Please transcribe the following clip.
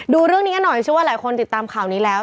ดูเรื่องนี้กันหน่อยเชื่อว่าหลายคนติดตามข่าวนี้แล้ว